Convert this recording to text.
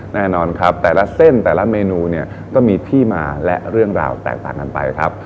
แน่นอนครับแต่ละเส้นแต่ละเมนูเนี่ยก็มีที่มาและเรื่องราวแตกต่างกันไปครับ